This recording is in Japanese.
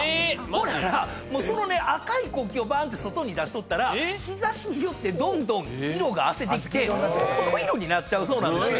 ほんならもうその赤い国旗をばーんって外に出しとったら日差しによってどんどん色があせてきてこの色になっちゃうそうなんです。